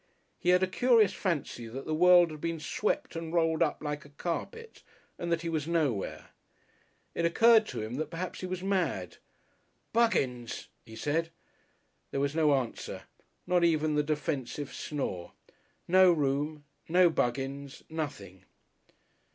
He had a curious fancy that the world had been swept and rolled up like a carpet and that he was nowhere. It occurred to him that perhaps he was mad. "Buggins!" he said. There was no answer, not even the defensive snore. No room, no Buggins, nothing!